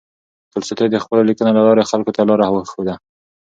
تولستوی د خپلو لیکنو له لارې خلکو ته لاره وښوده.